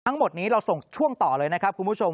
ทั้งหมดนี้เราส่งช่วงต่อเลยนะครับคุณผู้ชม